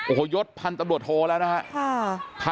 โอ้โฮยศพตโทแล้วนะฮะ